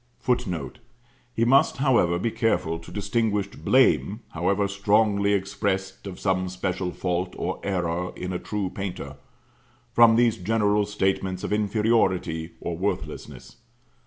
[Footnote: He must, however, be careful to distinguish blame however strongly expressed, of some special fault or error in a true painter, from these general statements of inferiority or worthlessness.